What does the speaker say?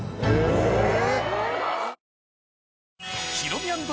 え！